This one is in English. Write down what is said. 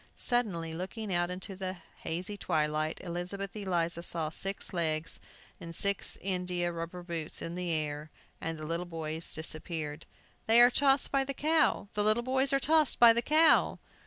Suddenly, looking out into the hazy twilight, Elizabeth Eliza saw six legs and six india rubber boots in the air, and the little boys disappeared! "They are tossed by the cow! The little boys are tossed by the cow!"